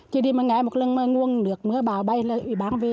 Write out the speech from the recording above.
chứ đi một ngày một lần mà nguồn nước mưa bào bay là ủy ban về